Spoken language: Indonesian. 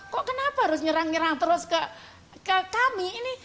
kok kenapa harus nyerang nyerang terus ke kami ini